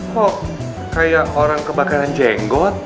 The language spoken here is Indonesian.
kok kayak orang kebakaran jenggot